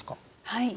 はい。